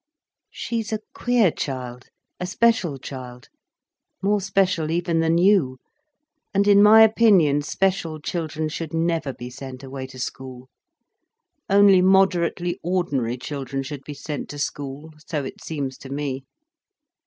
"She's a queer child—a special child, more special even than you. And in my opinion special children should never be sent away to school. Only moderately ordinary children should be sent to school—so it seems to me."